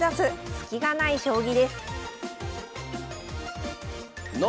スキがない将棋」です